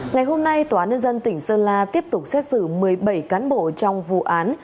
ngày hôm nay tòa án nhân dân tỉnh sơn la tiếp tục xét xử một mươi bảy cán bộ trong vụ án